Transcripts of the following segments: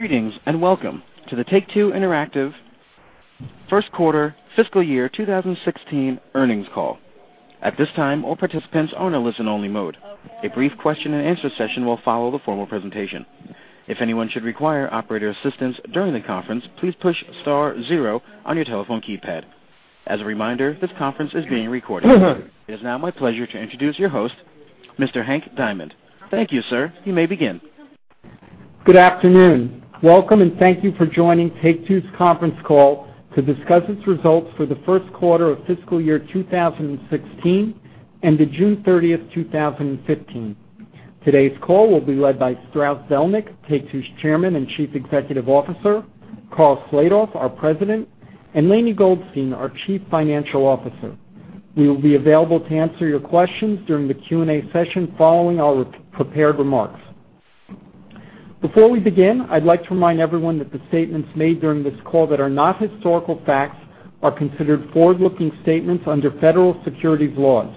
Greetings. Welcome to the Take-Two Interactive first quarter fiscal year 2016 earnings call. At this time, all participants are in a listen-only mode. A brief question and answer session will follow the formal presentation. If anyone should require operator assistance during the conference, please push star zero on your telephone keypad. As a reminder, this conference is being recorded. It is now my pleasure to introduce your host, Mr. Hank Diamond. Thank you, sir. You may begin. Good afternoon. Welcome, and thank you for joining Take-Two's conference call to discuss its results for the first quarter of fiscal year 2016, end of June 30th, 2015. Today's call will be led by Strauss Zelnick, Take-Two's Chairman and Chief Executive Officer, Karl Slatoff, our President, and Lainie Goldstein, our Chief Financial Officer. We will be available to answer your questions during the Q&A session following our prepared remarks. Before we begin, I'd like to remind everyone that the statements made during this call that are not historical facts are considered forward-looking statements under federal securities laws.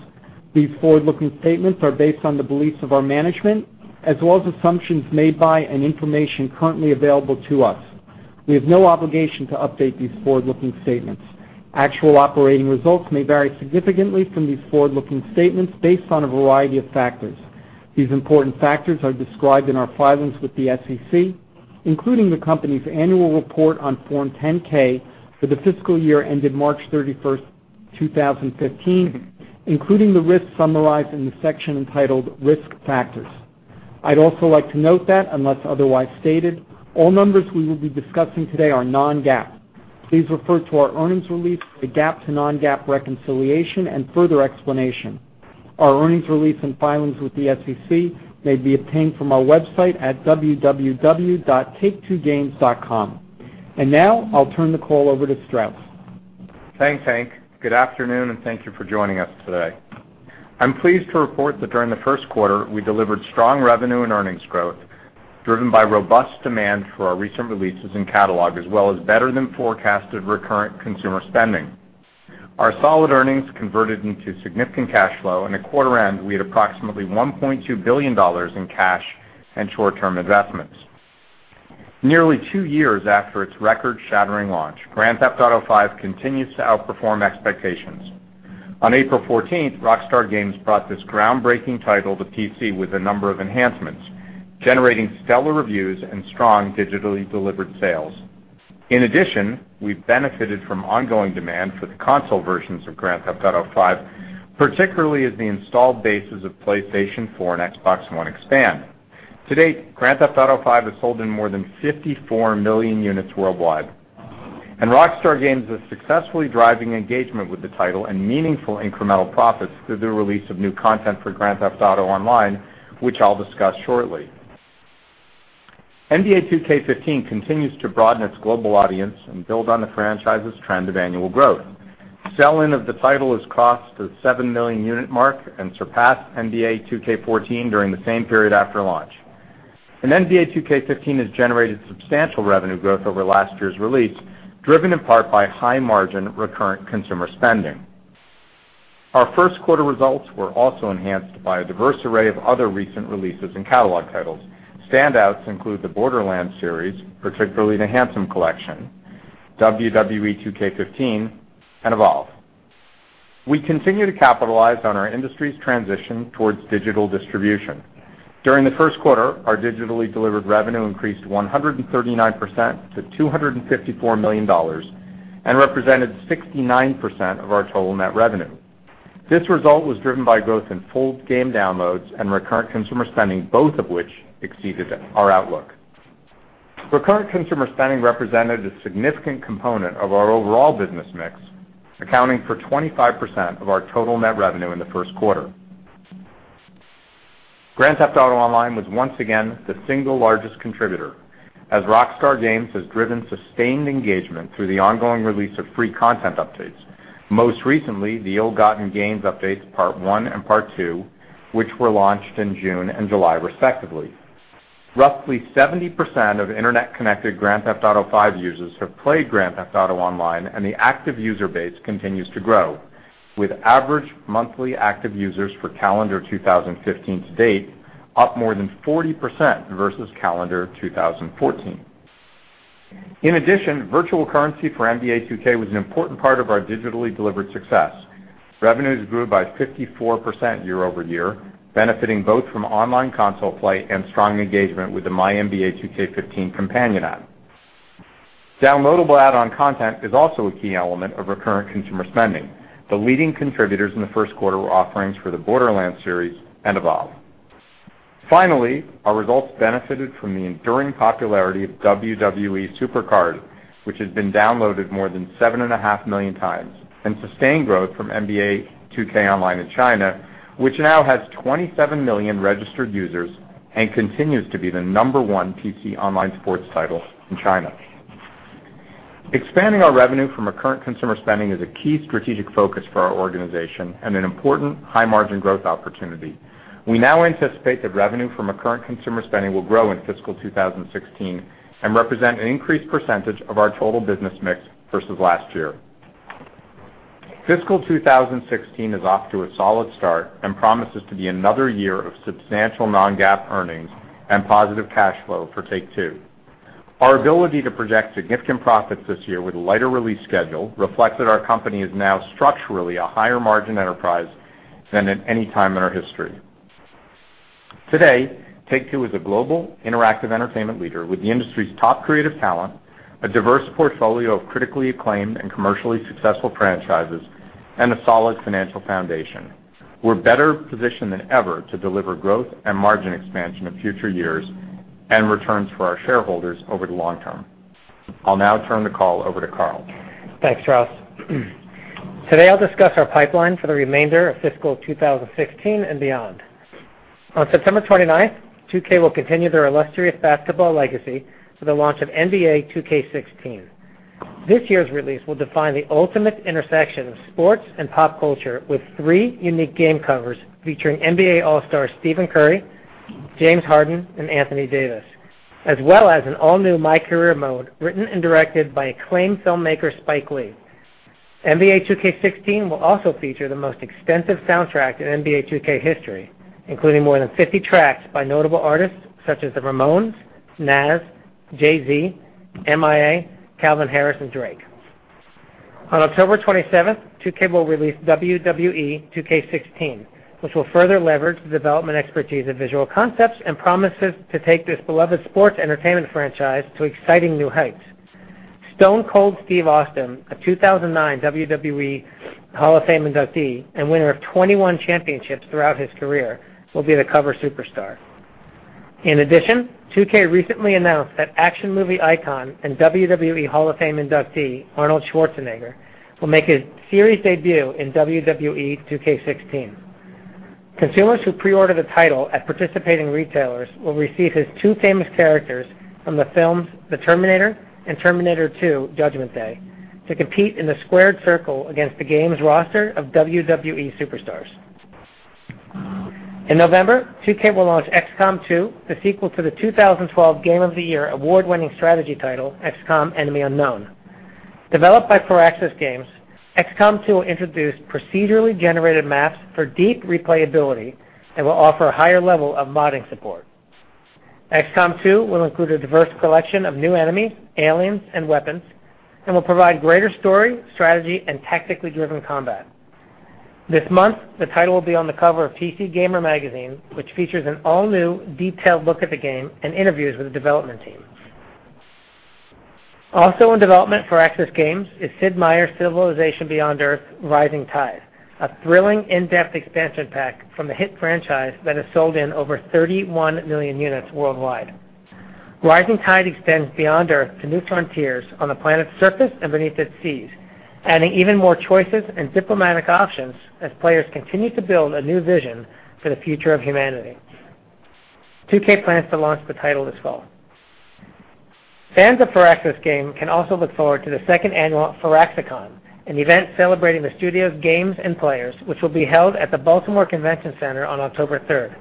These forward-looking statements are based on the beliefs of our management, as well as assumptions made by and information currently available to us. We have no obligation to update these forward-looking statements. Actual operating results may vary significantly from these forward-looking statements based on a variety of factors. These important factors are described in our filings with the SEC, including the company's annual report on Form 10-K for the fiscal year ended March 31st, 2015, including the risks summarized in the section entitled Risk Factors. I'd also like to note that unless otherwise stated, all numbers we will be discussing today are non-GAAP. Please refer to our earnings release for the GAAP to non-GAAP reconciliation and further explanation. Our earnings release and filings with the SEC may be obtained from our website at www.take2games.com. Now I'll turn the call over to Strauss. Thanks, Hank. Good afternoon, and thank you for joining us today. I'm pleased to report that during the first quarter, we delivered strong revenue and earnings growth driven by robust demand for our recent releases and catalog, as well as better than forecasted recurrent consumer spending. Our solid earnings converted into significant cash flow and at quarter end, we had approximately $1.2 billion in cash and short-term investments. Nearly two years after its record-shattering launch, "Grand Theft Auto V" continues to outperform expectations. On April 14th, Rockstar Games brought this groundbreaking title to PC with a number of enhancements, generating stellar reviews and strong digitally delivered sales. In addition, we've benefited from ongoing demand for the console versions of "Grand Theft Auto V," particularly as the installed bases of PlayStation 4 and Xbox One expand. To date, "Grand Theft Auto V" has sold in more than 54 million units worldwide, and Rockstar Games is successfully driving engagement with the title and meaningful incremental profits through the release of new content for "Grand Theft Auto Online," which I'll discuss shortly. "NBA 2K15" continues to broaden its global audience and build on the franchise's trend of annual growth. Sell-in of the title has crossed the 7 million unit mark and surpassed "NBA 2K14" during the same period after launch. "NBA 2K15" has generated substantial revenue growth over last year's release, driven in part by high margin recurrent consumer spending. Our first quarter results were also enhanced by a diverse array of other recent releases and catalog titles. Standouts include the "Borderlands" series, particularly the Handsome Collection, "WWE 2K15," and "Evolve." We continue to capitalize on our industry's transition towards digital distribution. During the first quarter, our digitally delivered revenue increased 139% to $254 million and represented 69% of our total net revenue. This result was driven by growth in full game downloads and recurrent consumer spending, both of which exceeded our outlook. Recurrent consumer spending represented a significant component of our overall business mix, accounting for 25% of our total net revenue in the first quarter. "Grand Theft Auto Online" was once again the single largest contributor, as Rockstar Games has driven sustained engagement through the ongoing release of free content updates, most recently the Ill-Gotten Gains updates Part One and Part Two, which were launched in June and July respectively. Roughly 70% of internet-connected "Grand Theft Auto V" users have played "Grand Theft Auto Online," and the active user base continues to grow, with average monthly active users for calendar 2015 to date up more than 40% versus calendar 2014. In addition, virtual currency for "NBA 2K" was an important part of our digitally delivered success. Revenues grew by 54% year-over-year, benefiting both from online console play and strong engagement with the MyNBA 2K15 companion app. Downloadable add-on content is also a key element of recurrent consumer spending. The leading contributors in the first quarter were offerings for the "Borderlands" series and "Evolve." Finally, our results benefited from the enduring popularity of "WWE SuperCard," which has been downloaded more than seven and a half million times, and sustained growth from "NBA 2K Online" in China, which now has 27 million registered users and continues to be the number 1 PC online sports title in China. Expanding our revenue from recurrent consumer spending is a key strategic focus for our organization and an important high margin growth opportunity. We now anticipate that revenue from recurrent consumer spending will grow in fiscal 2016 and represent an increased percentage of our total business mix versus last year. Fiscal 2016 is off to a solid start and promises to be another year of substantial non-GAAP earnings and positive cash flow for Take-Two. Our ability to project significant profits this year with a lighter release schedule reflects that our company is now structurally a higher-margin enterprise than at any time in our history. Today, Take-Two is a global interactive entertainment leader with the industry's top creative talent, a diverse portfolio of critically acclaimed and commercially successful franchises, and a solid financial foundation. We're better positioned than ever to deliver growth and margin expansion in future years and returns for our shareholders over the long term. I'll now turn the call over to Karl. Thanks, Strauss. Today, I'll discuss our pipeline for the remainder of fiscal 2016 and beyond. On September 29th, 2K will continue their illustrious basketball legacy with the launch of "NBA 2K16." This year's release will define the ultimate intersection of sports and pop culture with three unique game covers featuring NBA All-Stars Stephen Curry, James Harden, and Anthony Davis, as well as an all-new MyCAREER mode written and directed by acclaimed filmmaker Spike Lee. "NBA 2K16" will also feature the most extensive soundtrack in NBA 2K history, including more than 50 tracks by notable artists such as the Ramones, Nas, Jay-Z, M.I.A., Calvin Harris, and Drake. On October 27th, 2K will release "WWE 2K16," which will further leverage the development expertise of Visual Concepts and promises to take this beloved sports entertainment franchise to exciting new heights. Stone Cold Steve Austin, a 2009 WWE Hall of Fame inductee and winner of 21 championships throughout his career, will be the cover superstar. In addition, 2K recently announced that action movie icon and WWE Hall of Fame inductee Arnold Schwarzenegger will make his series debut in "WWE 2K16." Consumers who pre-order the title at participating retailers will receive his two famous characters from the films "The Terminator" and "Terminator 2: Judgment Day" to compete in the Squared Circle against the game's roster of WWE superstars. In November, 2K will launch "XCOM 2," the sequel to the 2012 Game of the Year award-winning strategy title, "XCOM: Enemy Unknown." Developed by Firaxis Games, "XCOM 2" will introduce procedurally generated maps for deep replayability and will offer a higher level of modding support. XCOM 2" will include a diverse collection of new enemies, aliens, and weapons and will provide greater story, strategy, and tactically driven combat. This month, the title will be on the cover of PC Gamer magazine, which features an all-new detailed look at the game and interviews with the development team. Also in development at Firaxis Games is "Sid Meier's Civilization: Beyond Earth: Rising Tide," a thrilling in-depth expansion pack from the hit franchise that has sold in over 31 million units worldwide. "Rising Tide" extends "Beyond Earth" to new frontiers on the planet's surface and beneath its seas, adding even more choices and diplomatic options as players continue to build a new vision for the future of humanity. 2K plans to launch the title this fall. Fans of Firaxis Games can also look forward to the second annual Firaxicon, an event celebrating the studio's games and players, which will be held at the Baltimore Convention Center on October 3rd.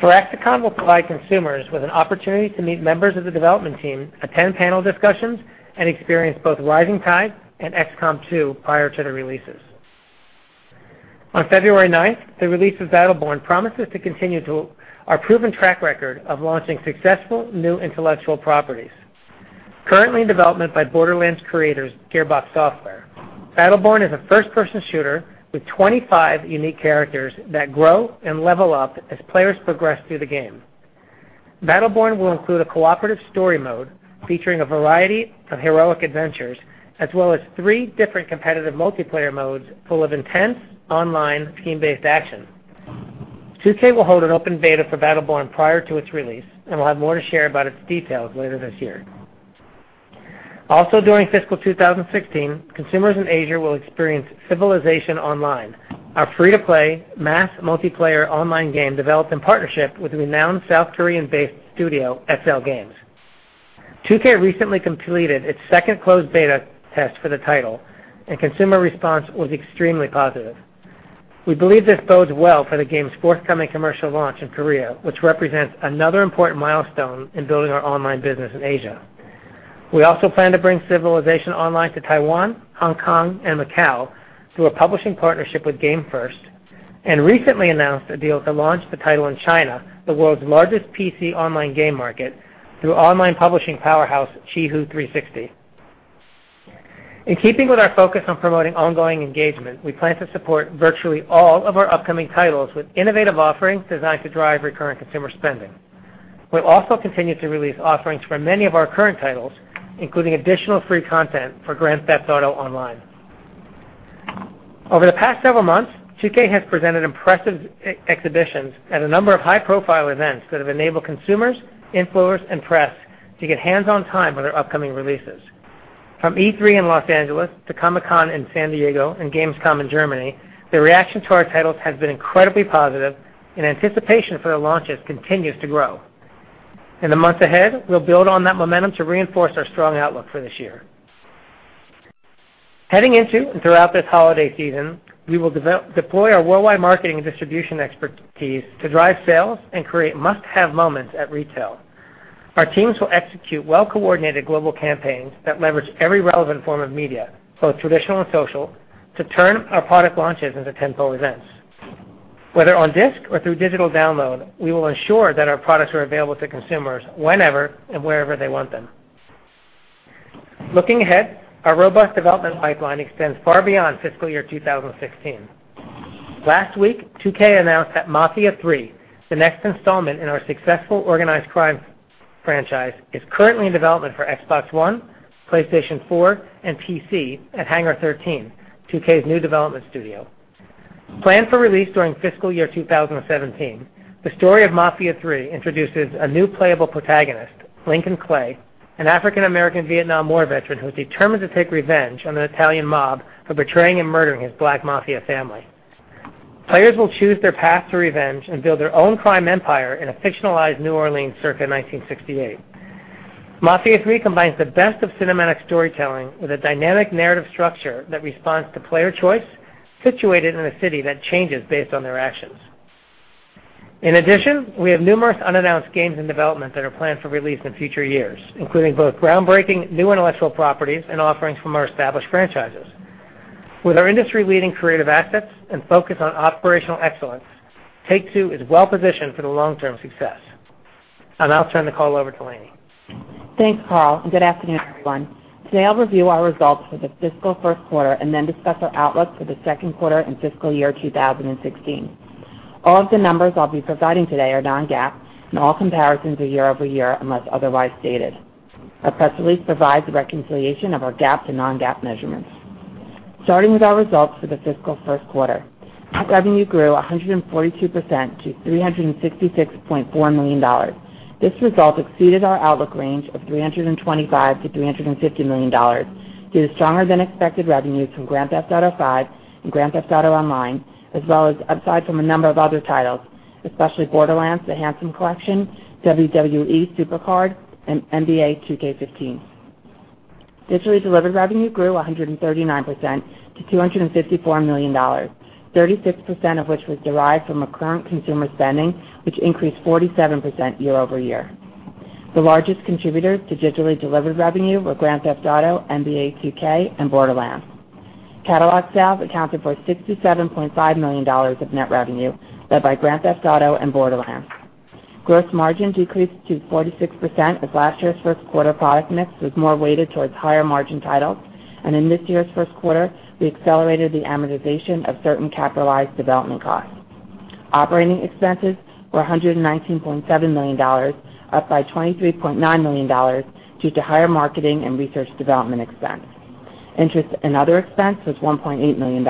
Firaxicon will provide consumers with an opportunity to meet members of the development team, attend panel discussions, and experience both "Rising Tide" and "XCOM 2" prior to their releases. On February 9th, the release of "Battleborn" promises to continue our proven track record of launching successful new intellectual properties. Currently in development by "Borderlands" creators Gearbox Software, "Battleborn" is a first-person shooter with 25 unique characters that grow and level up as players progress through the game. "Battleborn" will include a cooperative story mode featuring a variety of heroic adventures, as well as three different competitive multiplayer modes full of intense online team-based action. 2K will hold an open beta for "Battleborn" prior to its release. We'll have more to share about its details later this year. Also during fiscal 2016, consumers in Asia will experience "Civilization Online," our free-to-play mass multiplayer online game developed in partnership with renowned South Korean-based studio XLGames. 2K recently completed its second closed beta test for the title, and consumer response was extremely positive. We believe this bodes well for the game's forthcoming commercial launch in Korea, which represents another important milestone in building our online business in Asia. We also plan to bring "Civilization Online" to Taiwan, Hong Kong, and Macau through a publishing partnership with GamersFirst. Recently announced a deal to launch the title in China, the world's largest PC online game market, through online publishing powerhouse, Qihoo 360. In keeping with our focus on promoting ongoing engagement, we plan to support virtually all of our upcoming titles with innovative offerings designed to drive recurrent consumer spending. We'll also continue to release offerings for many of our current titles, including additional free content for "Grand Theft Auto Online." Over the past several months, 2K has presented impressive exhibitions at a number of high-profile events that have enabled consumers, influencers, and press to get hands-on time with their upcoming releases. From E3 in L.A. to Comic-Con in San Diego and Gamescom in Germany, the reaction to our titles has been incredibly positive, and anticipation for their launches continues to grow. In the months ahead, we'll build on that momentum to reinforce our strong outlook for this year. Heading into and throughout this holiday season, we will deploy our worldwide marketing and distribution expertise to drive sales and create must-have moments at retail. Our teams will execute well-coordinated global campaigns that leverage every relevant form of media, both traditional and social, to turn our product launches into tentpole events. Whether on disc or through digital download, we will ensure that our products are available to consumers whenever and wherever they want them. Looking ahead, our robust development pipeline extends far beyond fiscal year 2016. Last week, 2K announced that "Mafia III," the next installment in our successful organized crime franchise, is currently in development for Xbox One, PlayStation 4, and PC at Hangar 13, 2K's new development studio. Planned for release during fiscal year 2017, the story of "Mafia III" introduces a new playable protagonist, Lincoln Clay, an African American Vietnam War veteran who is determined to take revenge on the Italian mob for betraying and murdering his Black mafia family. Players will choose their path to revenge and build their own crime empire in a fictionalized New Orleans circa 1968. "Mafia III" combines the best of cinematic storytelling with a dynamic narrative structure that responds to player choice, situated in a city that changes based on their actions. In addition, we have numerous unannounced games in development that are planned for release in future years, including both groundbreaking new intellectual properties and offerings from our established franchises. With our industry-leading creative assets and focus on operational excellence, Take-Two is well-positioned for the long-term success. I'll now turn the call over to Lainie. Thanks, Karl, and good afternoon, everyone. Today, I'll review our results for the fiscal first quarter. Then discuss our outlook for the second quarter and fiscal year 2016. All of the numbers I'll be providing today are non-GAAP. All comparisons are year-over-year, unless otherwise stated. Our press release provides a reconciliation of our GAAP to non-GAAP measurements. Starting with our results for the fiscal first quarter. Net revenue grew 142% to $366.4 million. This result exceeded our outlook range of $325 million-$350 million due to stronger-than-expected revenues from Grand Theft Auto V and Grand Theft Auto Online, as well as upside from a number of other titles, especially Borderlands: The Handsome Collection, WWE SuperCard, and NBA 2K15. Digitally delivered revenue grew 139% to $254 million, 36% of which was derived from recurrent consumer spending, which increased 47% year-over-year. The largest contributors to digitally delivered revenue were Grand Theft Auto, NBA 2K, and Borderlands. Catalog sales accounted for $67.5 million of net revenue, led by Grand Theft Auto and Borderlands. Gross margin decreased to 46%, as last year's first quarter product mix was more weighted towards higher margin titles. In this year's first quarter, we accelerated the amortization of certain capitalized development costs. Operating expenses were $119.7 million, up by $23.9 million due to higher marketing and research development expense. Interest and other expense was $1.8 million.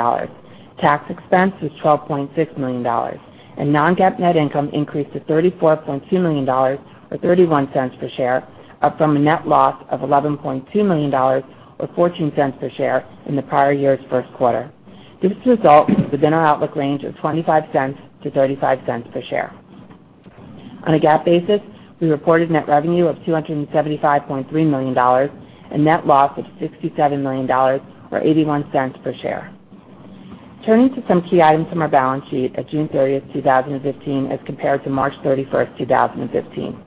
Tax expense was $12.6 million. Non-GAAP net income increased to $34.2 million or $0.31 per share, up from a net loss of $11.2 million or $0.14 per share in the prior year's first quarter. This result was within our outlook range of $0.25-$0.35 per share. On a GAAP basis, we reported net revenue of $275.3 million and net loss of $67 million or $0.81 per share. Turning to some key items from our balance sheet at June 30, 2015, as compared to March 31, 2015.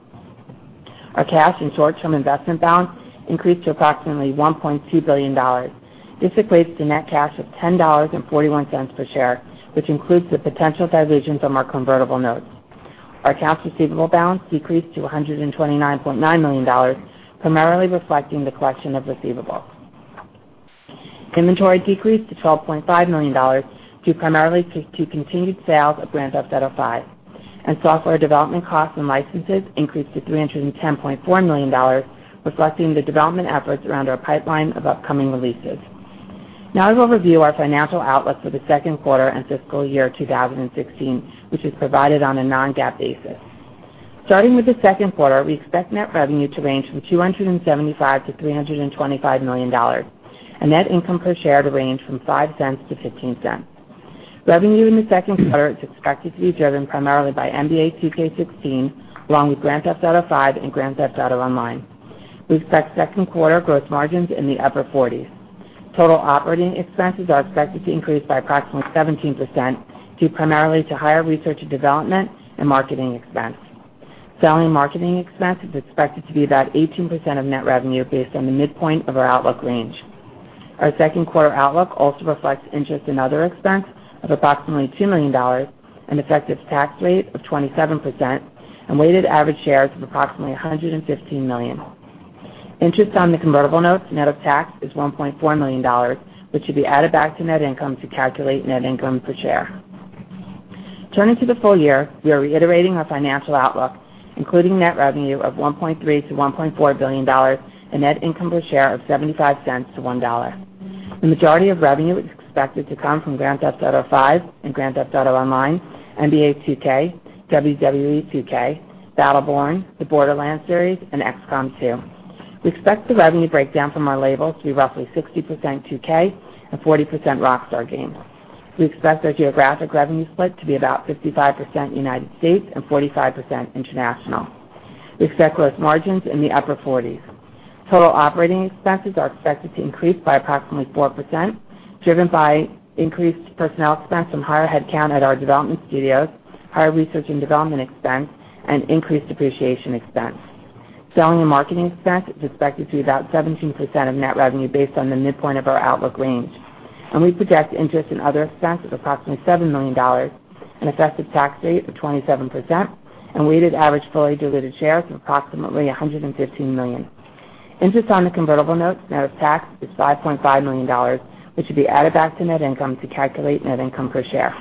Our cash and short-term investment balance increased to approximately $1.2 billion. This equates to net cash of $10.41 per share, which includes the potential dilutions from our convertible notes. Our accounts receivable balance decreased to $129.9 million, primarily reflecting the collection of receivables. Inventory decreased to $12.5 million due primarily to continued sales of Grand Theft Auto V. Software development costs and licenses increased to $310.4 million, reflecting the development efforts around our pipeline of upcoming releases. Now I will review our financial outlook for the second quarter and fiscal year 2016, which is provided on a non-GAAP basis. Starting with the second quarter, we expect net revenue to range from $275 million-$325 million and net income per share to range from $0.05-$0.15. Revenue in the second quarter is expected to be driven primarily by NBA 2K16, along with Grand Theft Auto V and Grand Theft Auto Online. We expect second quarter gross margins in the upper 40s. Total operating expenses are expected to increase by approximately 17% due primarily to higher research and development and marketing expense. Selling marketing expense is expected to be about 18% of net revenue based on the midpoint of our outlook range. Our second quarter outlook also reflects interest in other expense of approximately $2 million, an effective tax rate of 27%. Weighted average shares of approximately 115 million. Interest on the convertible notes net of tax is $1.4 million, which should be added back to net income to calculate net income per share. Turning to the full year, we are reiterating our financial outlook, including net revenue of $1.3 billion-$1.4 billion and net income per share of $0.75-$1. The majority of revenue is expected to come from Grand Theft Auto V and Grand Theft Auto Online, NBA 2K, WWE 2K, Battleborn, the Borderlands series, and XCOM 2. We expect the revenue breakdown from our labels to be roughly 60% 2K and 40% Rockstar Games. We expect our geographic revenue split to be about 55% U.S. and 45% international. We expect gross margins in the upper 40s. Total operating expenses are expected to increase by approximately 4%, driven by increased personnel expense from higher headcount at our development studios, higher research and development expense, and increased depreciation expense. Selling and marketing expense is expected to be about 17% of net revenue based on the midpoint of our outlook range. We project interest in other expense of approximately $7 million, an effective tax rate of 27%, and weighted average fully diluted shares of approximately 115 million. Interest on the convertible notes, net of tax, is $5.5 million, which would be added back to net income to calculate net income per share.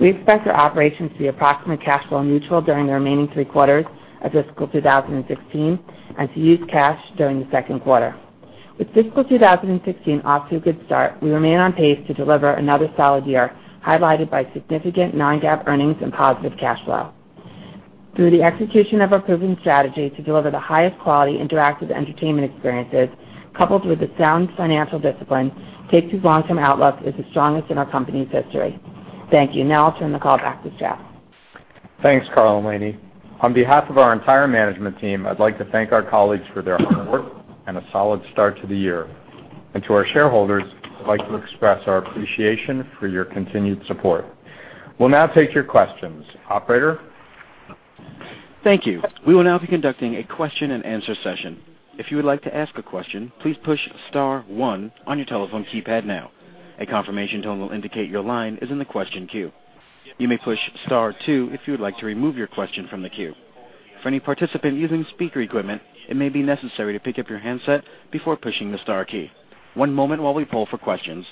We expect our operations to be approximately cash flow neutral during the remaining three quarters of fiscal 2016 and to use cash during the second quarter. With fiscal 2016 off to a good start, we remain on pace to deliver another solid year, highlighted by significant non-GAAP earnings and positive cash flow. Through the execution of our proven strategy to deliver the highest quality interactive entertainment experiences coupled with the sound financial discipline, Take-Two's long-term outlook is the strongest in our company's history. Thank you. I'll turn the call back to Strauss. Thanks, Karl and Lainie. On behalf of our entire management team, I'd like to thank our colleagues for their hard work and a solid start to the year. To our shareholders, I'd like to express our appreciation for your continued support. We'll now take your questions. Operator? Thank you. We will now be conducting a question and answer session. If you would like to ask a question, please push star one on your telephone keypad now. A confirmation tone will indicate your line is in the question queue. You may push star two if you would like to remove your question from the queue. For any participant using speaker equipment, it may be necessary to pick up your handset before pushing the star key. One moment while we poll for questions.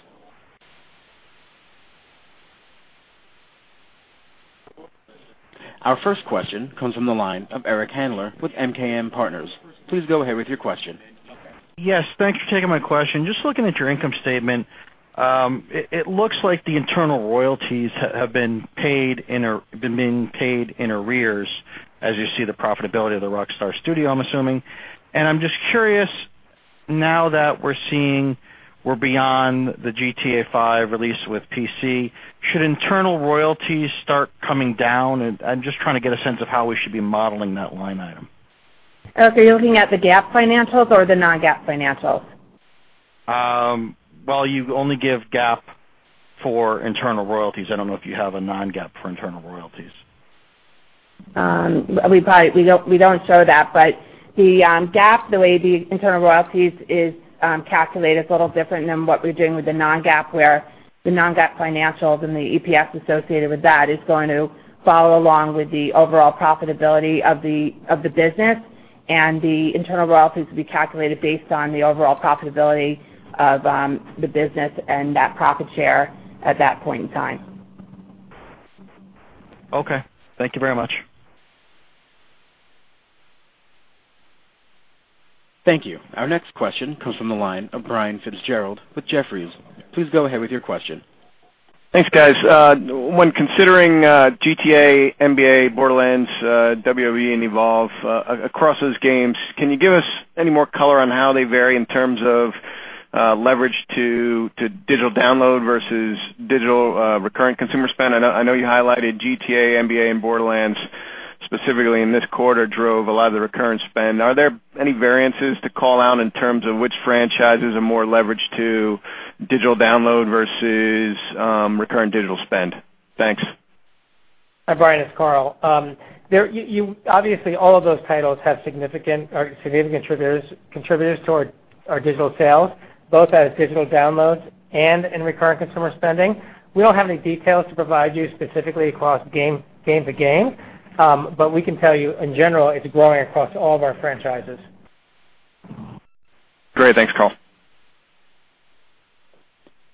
Our first question comes from the line of Eric Handler with MKM Partners. Please go ahead with your question. Yes, thanks for taking my question. Just looking at your income statement, it looks like the internal royalties have been being paid in arrears as you see the profitability of the Rockstar studio, I'm assuming. I'm just curious, now that we're seeing we're beyond the GTA V release with PC, should internal royalties start coming down? I'm just trying to get a sense of how we should be modeling that line item. Eric, are you looking at the GAAP financials or the non-GAAP financials? Well, you only give GAAP for internal royalties. I don't know if you have a non-GAAP for internal royalties. We don't show that, but the GAAP, the way the internal royalties is calculated is a little different than what we're doing with the non-GAAP, where the non-GAAP financials and the EPS associated with that is going to follow along with the overall profitability of the business, and the internal royalties will be calculated based on the overall profitability of the business and that profit share at that point in time. Okay. Thank you very much. Thank you. Our next question comes from the line of Brian Fitzgerald with Jefferies. Please go ahead with your question. Thanks, guys. When considering GTA, NBA, Borderlands, WWE, and Evolve, across those games, can you give us any more color on how they vary in terms of leverage to digital download versus digital recurring consumer spend? I know you highlighted GTA, NBA, and Borderlands specifically in this quarter drove a lot of the recurring spend. Are there any variances to call out in terms of which franchises are more leveraged to digital download versus recurring digital spend? Thanks. Hi, Brian. It's Karl. Obviously, all of those titles have significant contributors toward our digital sales, both as digital downloads and in recurring consumer spending. We don't have any details to provide you specifically across game to game, but we can tell you in general, it's growing across all of our franchises. Great. Thanks, Karl.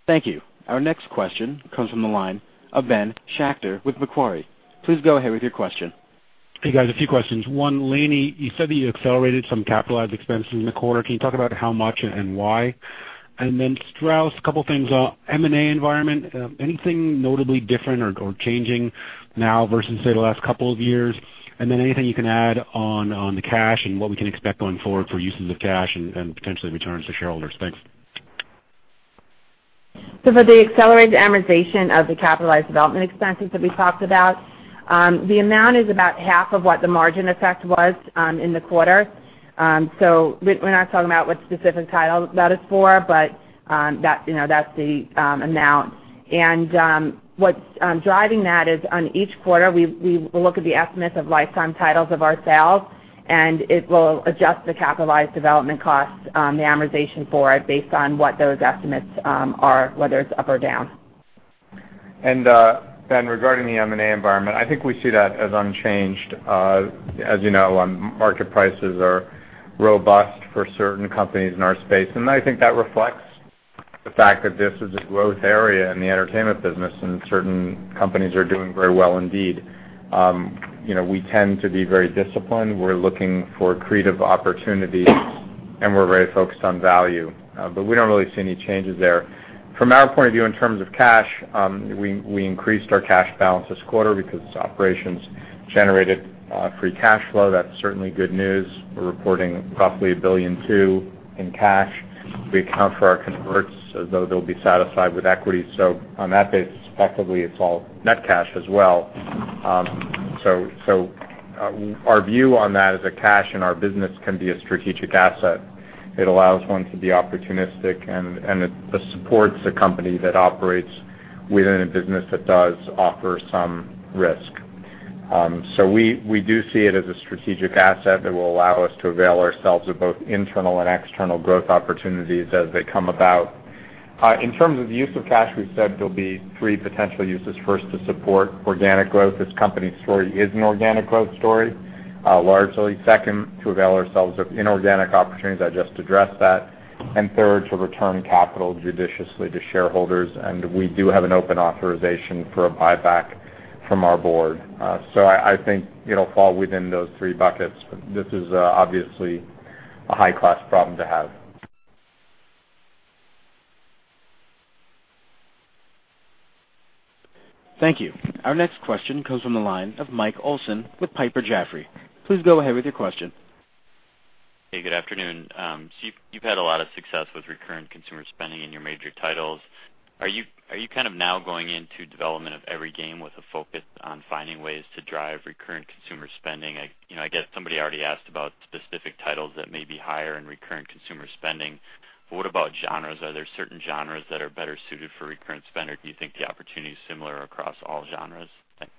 Thank you. Our next question comes from the line of Ben Schachter with Macquarie. Please go ahead with your question. Hey, guys, a few questions. 1, Lainie, you said that you accelerated some capitalized expenses in the quarter. Can you talk about how much and why? Strauss, a couple things. M&A environment, anything notably different or changing now versus, say, the last couple of years? Anything you can add on the cash and what we can expect going forward for uses of cash and potentially returns to shareholders? Thanks. For the accelerated amortization of the capitalized development expenses that we talked about, the amount is about half of what the margin effect was in the quarter. We're not talking about what specific title that is for, but that's the amount. What's driving that is on each quarter, we look at the estimates of lifetime titles of our sales, and it will adjust the capitalized development costs, the amortization for it based on what those estimates are, whether it's up or down. Ben Schachter, regarding the M&A environment, I think we see that as unchanged. As you know, market prices are robust for certain companies in our space, and I think that reflects the fact that this is a growth area in the entertainment business and certain companies are doing very well indeed. We tend to be very disciplined. We're looking for creative opportunities and we're very focused on value, but we don't really see any changes there. From our point of view in terms of cash, we increased our cash balance this quarter because operations generated free cash flow. That's certainly good news. We're reporting roughly $1.2 billion in cash. We account for our converts as though they'll be satisfied with equity. On that basis, effectively it's all net cash as well. Our view on that is that cash in our business can be a strategic asset. It allows one to be opportunistic, and it supports a company that operates within a business that does offer some risk. We do see it as a strategic asset that will allow us to avail ourselves of both internal and external growth opportunities as they come about. In terms of the use of cash, we've said there'll be 3 potential uses. First, to support organic growth. This company's story is an organic growth story, largely. Second, to avail ourselves of inorganic opportunities. I just addressed that. Third, to return capital judiciously to shareholders, and we do have an open authorization for a buyback from our board. I think it'll fall within those 3 buckets, but this is obviously a high-class problem to have. Thank you. Our next question comes from the line of Michael Olson with Piper Jaffray. Please go ahead with your question. Hey, good afternoon. You've had a lot of success with recurrent consumer spending in your major titles. Are you now going into development of every game with a focus on finding ways to drive recurrent consumer spending? I get somebody already asked about specific titles that may be higher in recurrent consumer spending, what about genres? Are there certain genres that are better suited for recurrent spend, or do you think the opportunity is similar across all genres? Thanks.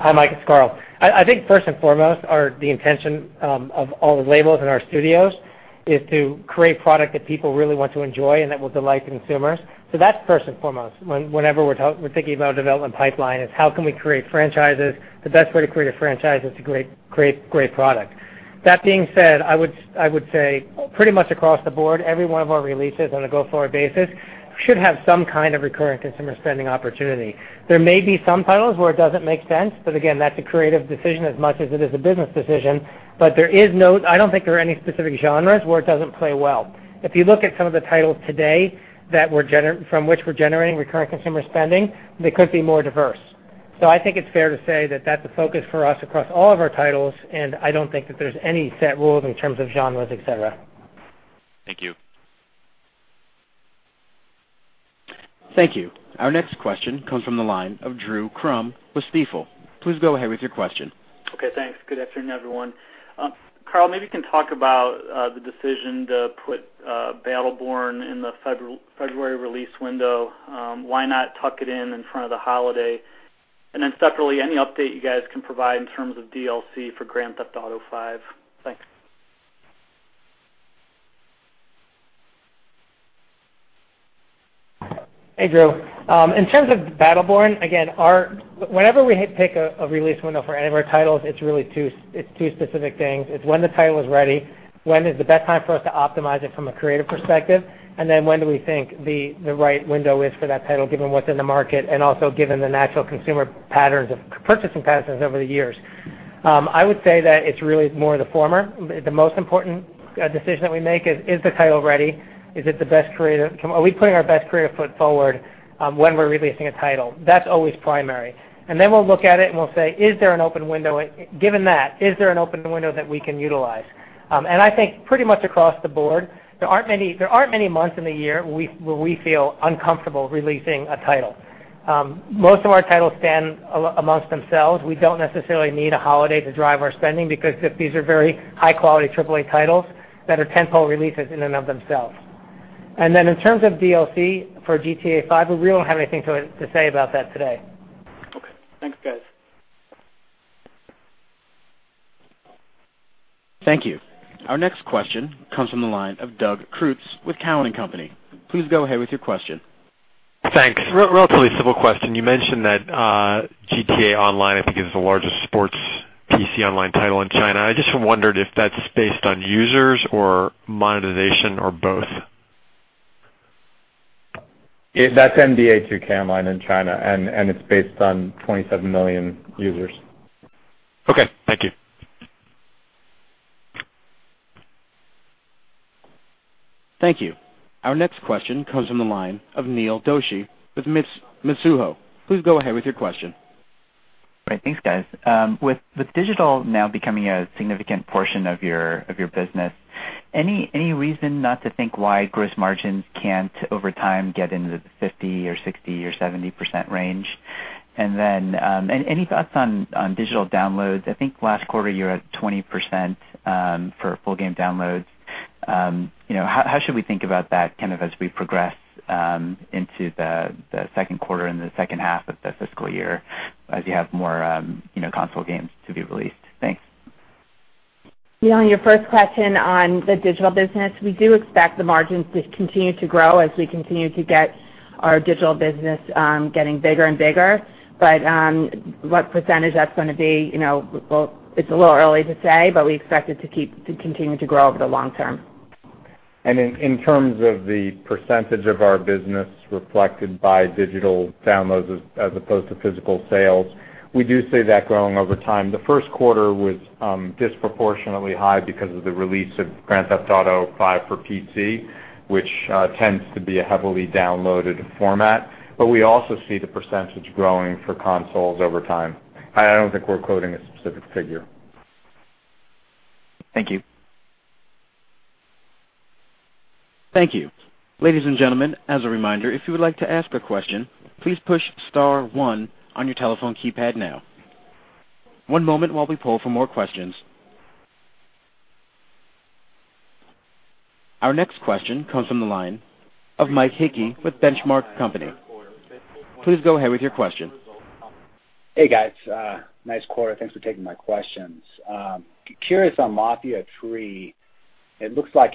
Hi, Mike, it's Karl. I think first and foremost, the intention of all the labels in our studios is to create product that people really want to enjoy and that will delight consumers. That's first and foremost. Whenever we're thinking about development pipeline, it's how can we create franchises? The best way to create a franchise is to create great product. That being said, I would say pretty much across the board, every one of our releases on a go-forward basis should have some kind of recurrent consumer spending opportunity. There may be some titles where it doesn't make sense, but again, that's a creative decision as much as it is a business decision. I don't think there are any specific genres where it doesn't play well. If you look at some of the titles today from which we're generating recurrent consumer spending, they could be more diverse. I think it's fair to say that that's a focus for us across all of our titles, and I don't think that there's any set rules in terms of genres, et cetera. Thank you. Thank you. Our next question comes from the line of Drew Crum with Stifel. Please go ahead with your question. Okay, thanks. Good afternoon, everyone. Karl, maybe you can talk about the decision to put Battleborn in the February release window. Why not tuck it in in front of the holiday? Separately, any update you guys can provide in terms of DLC for Grand Theft Auto V. Thanks. Hey, Drew. In terms of Battleborn, again, whenever we pick a release window for any of our titles, it's really two specific things. It's when the title is ready, when is the best time for us to optimize it from a creative perspective, when do we think the right window is for that title, given what's in the market, also given the natural consumer purchasing patterns over the years. I would say that it's really more the former. The most important decision that we make is the title ready? Are we putting our best creative foot forward when we're releasing a title? That's always primary. We'll look at it and we'll say, given that, is there an open window that we can utilize? I think pretty much across the board, there aren't many months in the year where we feel uncomfortable releasing a title. Most of our titles stand amongst themselves. We don't necessarily need a holiday to drive our spending because these are very high-quality AAA titles that are tentpole releases in and of themselves. In terms of DLC for GTA V, we don't have anything to say about that today. Okay. Thanks, guys. Thank you. Our next question comes from the line of Doug Creutz with Cowen and Company. Please go ahead with your question. Thanks. Relatively simple question. You mentioned that "GTA Online," I think, is the largest sports PC online title in China. I just wondered if that's based on users or monetization, or both. That's "NBA 2K Online" in China, and it's based on 27 million users. Okay, thank you. Thank you. Our next question comes from the line of Neil Doshi with Mizuho. Please go ahead with your question. Great. Thanks, guys. With digital now becoming a significant portion of your business, any reason not to think why gross margins can't, over time, get into the 50% or 60% or 70% range? Any thoughts on digital downloads? I think last quarter you were at 20% for full game downloads. How should we think about that as we progress into the second quarter and the second half of the fiscal year as you have more console games to be released? Thanks. Neil, on your first question on the digital business, we do expect the margins to continue to grow as we continue to get our digital business getting bigger and bigger. What percentage that's going to be, well, it's a little early to say, but we expect it to continue to grow over the long term. In terms of the percentage of our business reflected by digital downloads as opposed to physical sales, we do see that growing over time. The first quarter was disproportionately high because of the release of "Grand Theft Auto V" for PC, which tends to be a heavily downloaded format. We also see the percentage growing for consoles over time. I don't think we're quoting a specific figure. Thank you. Thank you. Ladies and gentlemen, as a reminder, if you would like to ask a question, please push star one on your telephone keypad now. One moment while we poll for more questions. Our next question comes from the line of Mike Hickey with Benchmark Company. Please go ahead with your question. Hey, guys. Nice quarter. Thanks for taking my questions. Curious on Mafia III. It looks like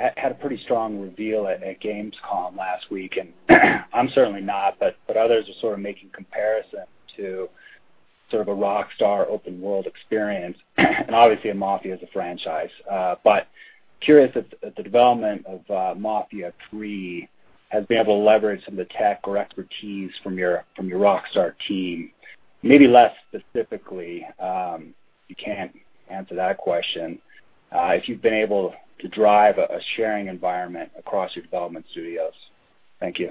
it's had a pretty strong reveal at Gamescom last week, and I'm certainly not, but others are sort of making comparison to sort of a Rockstar open world experience. Obviously, a Mafia as a franchise. Curious at the development of Mafia III, has been able to leverage some of the tech or expertise from your Rockstar team? Maybe less specifically, if you can't answer that question, if you've been able to drive a sharing environment across your development studios. Thank you.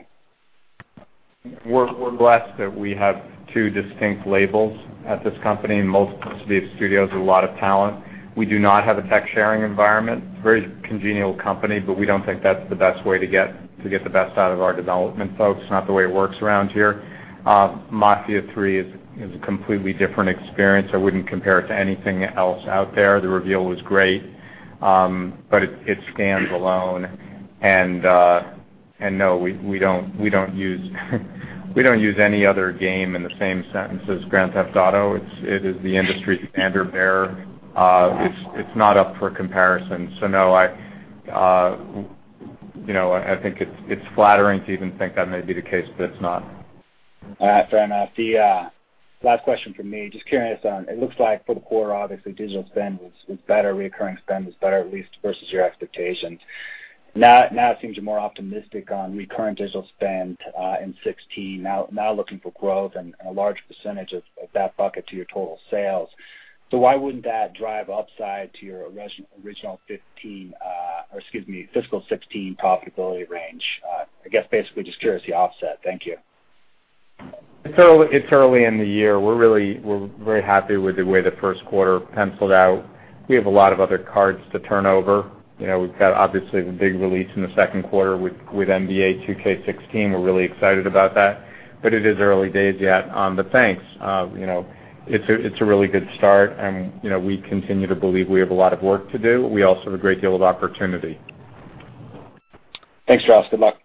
We're blessed that we have two distinct labels at this company, multiple studios with a lot of talent. We do not have a tech-sharing environment. Very congenial company, but we don't think that's the best way to get the best out of our development folks. Not the way it works around here. Mafia III is a completely different experience. I wouldn't compare it to anything else out there. The reveal was great, but it stands alone. No, we don't use any other game in the same sentence as Grand Theft Auto. It is the industry standard bearer. It's not up for comparison. No. I think it's flattering to even think that may be the case, but it's not. All right, fair enough. The last question from me, just curious on, it looks like for the core, obviously digital spend was better, reoccurring spend was better, at least versus your expectations. It seems you're more optimistic on recurrent digital spend in 2016, now looking for growth and a large percentage of that bucket to your total sales. Why wouldn't that drive upside to your original fiscal 2016 profitability range? I guess basically just curious the offset. Thank you. It's early in the year. We're very happy with the way the first quarter penciled out. We have a lot of other cards to turn over. We've got obviously the big release in the second quarter with NBA 2K16. We're really excited about that, but it is early days yet. Thanks. It's a really good start, and we continue to believe we have a lot of work to do. We also have a great deal of opportunity. Thanks, Strauss. Good luck.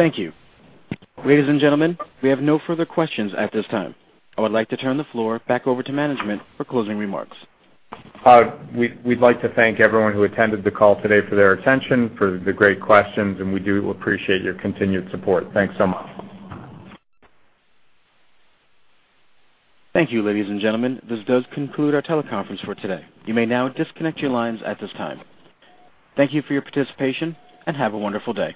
Thank you. Ladies and gentlemen, we have no further questions at this time. I would like to turn the floor back over to management for closing remarks. We'd like to thank everyone who attended the call today for their attention, for the great questions, and we do appreciate your continued support. Thanks so much. Thank you, ladies and gentlemen. This does conclude our teleconference for today. You may now disconnect your lines at this time. Thank you for your participation, and have a wonderful day.